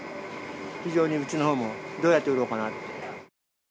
非常にうちのほうも、どうやって売ろうかなと。